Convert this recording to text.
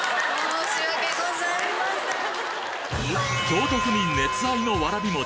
京都府民熱愛のわらび餅